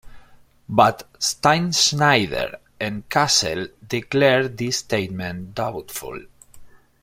But Steinschneider and Cassel declare this statement doubtful.